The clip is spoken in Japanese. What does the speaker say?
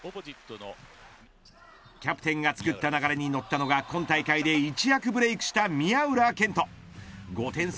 キャプテンがつくった流れに乗ったのが、今大会で一躍ブレークした宮浦健人。